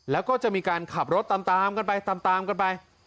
แล้วก็จะมีการขับรถตามกลับไป